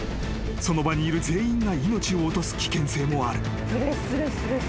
［その場にいる全員が命を落とす危険性もある］